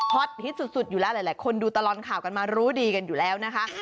อตฮิตสุดอยู่แล้วหลายคนดูตลอดข่าวกันมารู้ดีกันอยู่แล้วนะคะ